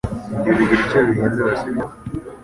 Ibyo bigira icyo bihindura sibyo